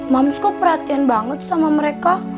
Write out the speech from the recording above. mams kok perhatian banget sama mereka